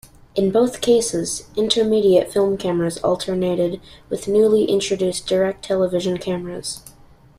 In both cases, intermediate film cameras alternated with newly introduced direct television cameras.